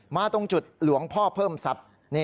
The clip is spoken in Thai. ตรงจุดหลวงพ่อเพิ่มทรัพย์